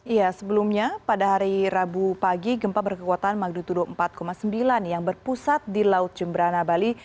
iya sebelumnya pada hari rabu pagi gempa berkekuatan magnitudo empat sembilan yang berpusat di laut jemberana bali